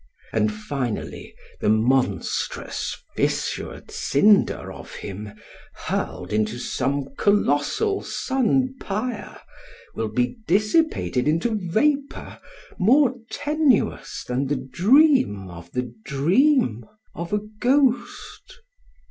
And finally the monstrous fissured cinder of him, hurled into some colossal sun pyre, will be dissipated into vapour more tenuous than the dream of the dream of a ghost •